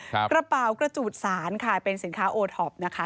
กระเป๋ากระจูดสารค่ะเป็นสินค้าโอท็อปนะคะ